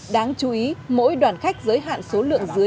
đáng chú ý mỗi đoàn khách giới hạn số lượng dưới ba mươi người